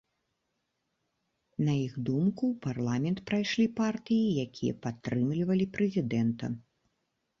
На іх думку, у парламент прайшлі партыі, якія падтрымлівалі прэзідэнта.